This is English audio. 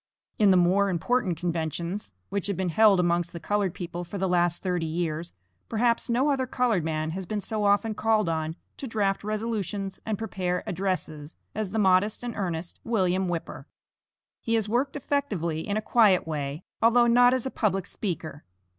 In the more important conventions which have been held amongst the colored people for the last thirty years, perhaps no other colored man has been so often called on to draft resolutions and prepare addresses, as the modest and earnest William Whipper. He has worked effectively in a quiet way, although not as a public speaker.